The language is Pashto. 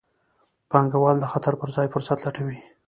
پانګوال د خطر پر ځای فرصت لټوي.